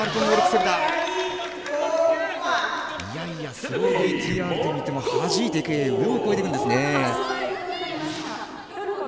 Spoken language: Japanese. スローＶＴＲで見てもはじいて上を越えていくんですね。